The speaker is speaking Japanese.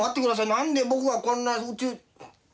何で僕がこんな宇宙。